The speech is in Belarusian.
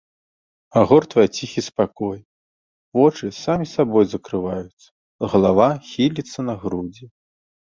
Агортвае ціхі спакой, вочы самі сабой закрываюцца, галава хіліцца на грудзі.